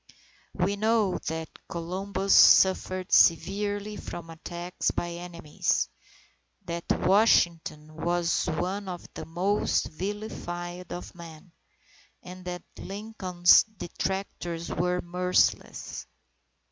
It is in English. We know that Columbus suffered severely from attacks by enemies, that Washington was one of the "most vilified of men," and that Lincoln's detractors were merciless.